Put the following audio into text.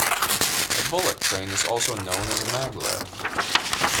A bullet train is also known as a maglev.